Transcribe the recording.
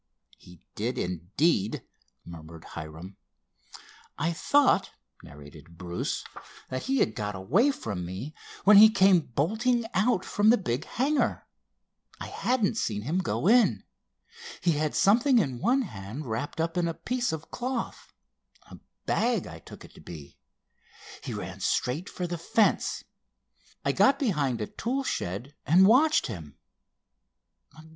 "He did, indeed!" murmured Hiram. "I thought," narrated Bruce, "that he had got away from me, when he came bolting out from the big hangar. I hadn't seen him go in. He had something in one hand wrapped up in a piece of cloth, a bag I took it to be. He ran straight for the fence. I got behind a tool shed and watched him."